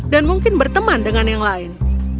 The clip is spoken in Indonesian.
dan mungkin berteman dengan yang lain